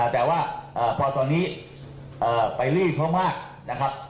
แต่ว่าพอตอนนี้ไปเรื่อยเขามากนะครับ